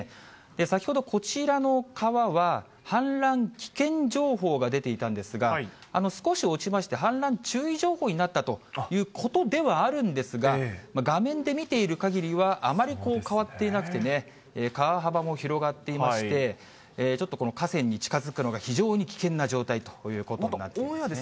先ほど、こちらの川は、氾濫危険情報が出ていたんですが、少し落ちまして、氾濫注意情報になったということではあるんですが、画面で見ているかぎりは、あまり変わっていなくてね、川幅も広がっていまして、ちょっと、この河川に近づくのが非常に危険な状態ということになってますね。